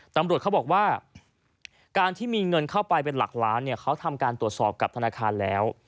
ตำรวจเขาบอกว่าการที่มีเงินเข้าไปเป็นหลักล้านเนี่ยเขาทำการตรวจสอบกับธนาคารแล้ว